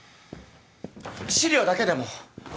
資料だけでも！